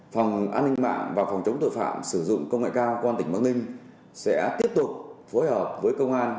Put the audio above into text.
phòng an ninh mạng và phòng chống tội phạm sử dụng công nghệ cao công an tỉnh bắc ninh sẽ tiếp tục phối hợp với công an